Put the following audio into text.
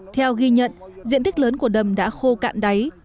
theo ghi nhận diện tích lớn của đầm đã khô cạn đáy